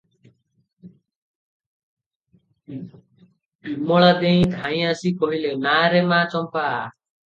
ବିମଳା ଦେଈ ଧାଇଁ ଆସି କହିଲେ, "ନା ରେ ମା ଚମ୍ପା!